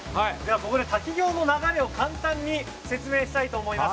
ここで滝行の流れを簡単に説明したいと思います。